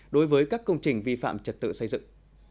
đối với các công trình vi phạm trật tự xây dựng